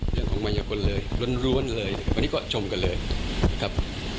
เรื่องของมายกลเลยล้วนเลยวันนี้ก็ชมกันเลยนะครับ